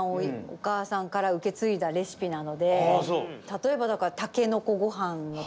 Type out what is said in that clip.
おかあさんからうけついだレシピなのでたとえばたけのこごはんの。